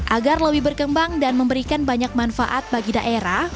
agar lebih berkembang dan memberikan banyak manfaat bagi daerah